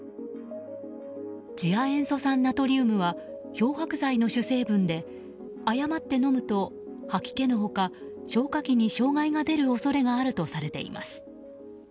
次亜塩素酸ナトリウムは漂白剤の主成分で誤って飲むと吐き気の他、消化器に障害が出る恐れがあるとされています。